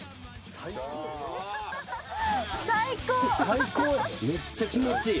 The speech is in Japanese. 最高めっちゃ気持ちいい。